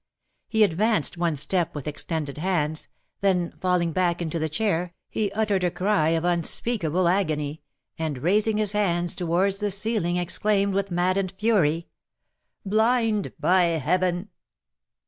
He advanced one step with extended hands, then, falling back into the chair, he uttered a cry of unspeakable agony, and, raising his hands towards the ceiling, exclaimed, with maddened fury: "Blind, by heaven!"